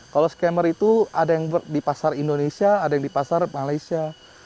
kalau scammer itu ada yang di pasar indonesia ada yang di pasar malaysia